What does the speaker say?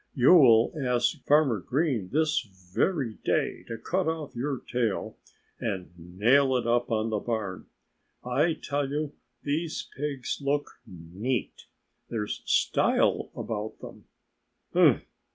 "You'll ask Farmer Green this very day to cut off your tail and nail it up on the barn. I tell you, these pigs look neat. There's style about them."